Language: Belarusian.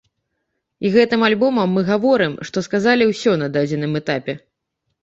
І гэтым альбомам мы гаворым, што сказалі ўсё на дадзеным этапе.